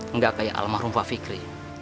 enggak kayak alam mahrum pak fikri